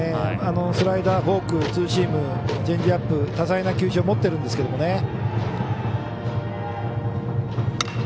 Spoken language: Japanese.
スライダー、フォークツーシームチェンジアップ、多彩な球種を持っているんですけどね。